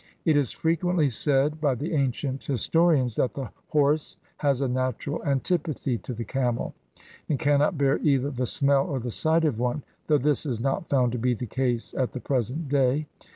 It is frequently said by the ancient historians that the horse has a natural antipathy to the camel, and cannot bear either the smell or the sight of one, though this is not found to be the case at the present day.